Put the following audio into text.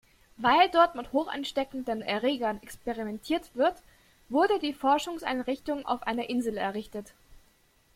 Weil dort mit hochansteckenden Erregern experimentiert wird, wurde die Forschungseinrichtung auf einer Insel errichtet.